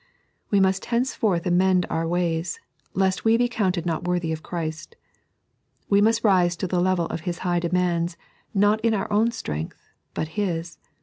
We must henceforth amend our ways, lest we be counted not worthy of Christ. "We must rise to the level of Hib high demands, not in our own strength, but His.